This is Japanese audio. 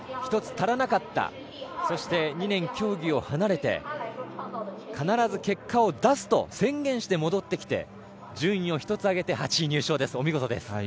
１つ足らなかった、そして２年、競技を離れて必ず結果を出すと宣言して戻ってきて順位を一つ上げて、８位入賞ですお見事です。